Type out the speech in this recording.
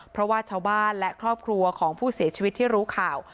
เพราะว่าชาวบ้านและครอบครัวของผู้เสียชีวิตที่รู้ข่าว